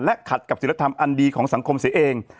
ขัดกับศิลธรรมอันดีของสังคมเสียเอง